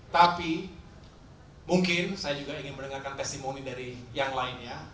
tapi mungkin saya juga ingin mendengarkan testimoni dari yang lainnya